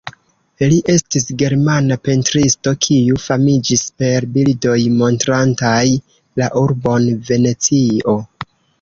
Li estis germana pentristo kiu famiĝis per bildoj montrantaj la urbon Venecio.